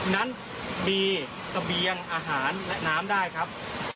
นั้นมีเสบียงอาหารและน้ำได้ครับ